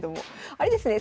あれですね